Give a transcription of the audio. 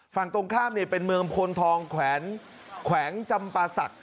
ฝั่งตรงข้ามเป็นเมืองพลทองแขวงจำปาศักดิ